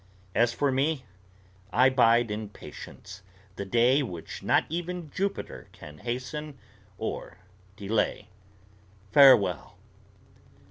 As for me, I bide in patience the day which not even Jupiter can hasten or delay. Farewell!"